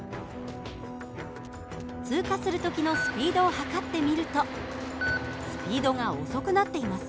通過する時のスピードを測ってみるとスピードが遅くなっています。